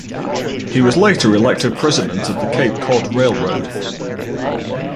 He was later elected president of the Cape Cod Railroad.